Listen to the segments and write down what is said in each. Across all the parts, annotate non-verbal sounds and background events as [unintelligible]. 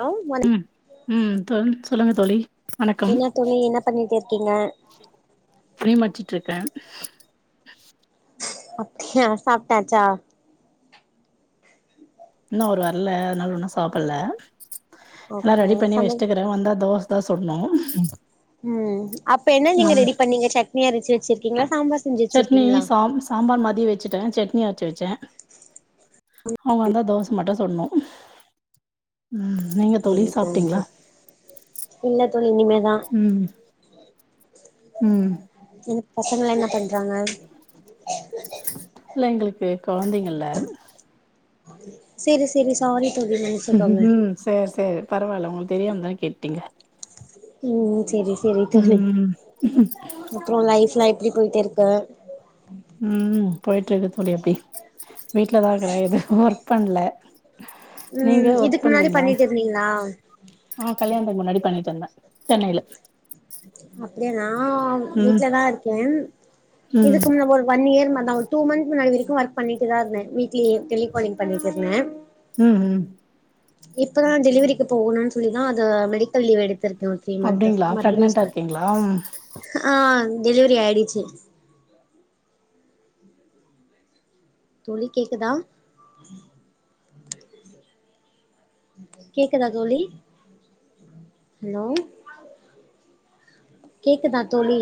hello Mani உம் உம் [unintelligible] சொல்லுங்க தோழி வணக்கம் என்ன தோழி என்ன பண்ணிட்ருக்கீங்க உம்.. அப்டியா சாப்ட்டாச்சா இன்னும் அவரு வரல அதனால ஒன்னும் சாப்பிடல எல்லாம் ஓகே ரெடி பண்ணி சம வச்சிட்டுக்கறேன் வந்தா தோஸ் தோஸ் சுட்ணும் உம் அப்ப என்ன நீங்க ரெடி பண்ணீங்க சட்னியா அரைச்சு வச்சிருக்கீங்களா சாம்பார் செஞ்சு சட்னி வச்சிருக்கீங்ளா நீ வச்சு வச்சேன் அவங்க வந்தா தோச மட்டும் சூடனும் உம் நீங்க தோளி சரி தோழி சாப்ட்டீங்ளா சரி இல்ல தோழி இனிமே தான் உம் எனக்கு பசங்க என்ன பண்றாங்க லங்க்கு என் கொழந்தைங்கலா செரி செரி சாரி தோழி மன்னிச்சுக்கோங்க சேர் சேரி பரவாயில்ல உங்களுக்கு தெரியாம தான கேட்டீங்க ம் ம் சரி சரி தோழி ம் அப்புறம் லைப் லை [unintelligible] உம் போயிட்டு இருக்கு தோழி எப்டி வீட்லதான் இருக்கறேன் எது ஒர்க் பண்ல ம் நீங்க ஒர்க் இதுக்கு முன்னாடி பண்றீங்ளா பண்ணிட்டு இருந்தீங்களா ஆஹ் கல்யாணத்துக்கு முன்னாடி பண்ணிட்ருந்தேன் சென்னை ல அப்படியானா ஆ வீட்ல தான் இருக்கேன் ம் இதுக்கு நம்ம ஒரு ஒன் இயர் நான் ஒரு டூ மந்த் முன்னாடி வரைக்கும் ஒர்க் பண்ணிட்டே தான் இருந்தேன் வீட்லயே டெலிகாலிங் பண்ணிட்டு இருந்தேன் உம் இப்பதான் டெலிவரிக்கு போகணும்னு சொல்லிதான் அத மெடிக்கல் லீவ் எடுத்து [unintelligible] த்ரீ மன்து அப்டிங்களா மறுபடியும் பிரெக்னன்டா ஸ்கேன் இருக்கீங்களா ஆன் டெலிவரி ஆயிடுச்சி தோழி கேக்குதா கேக்குதா தோழி ஹலோ கேக்குதா தோலி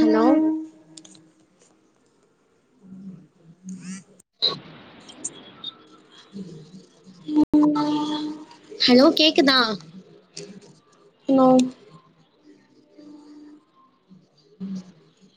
ஹலோ [unintelligible] ஹலோ கேக்குதா ஹலோ உம்